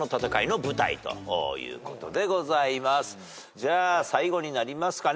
じゃあ最後になりますかね。